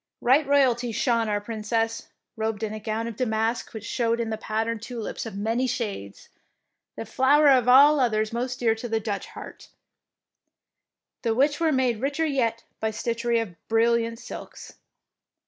Right royally shone our Princess, robed in a gown of damask which showed in the pattern tulips of many shades, the flower of all others most dear to the Dutch heart, the which were made richer yet by stitchery of brilliant silks.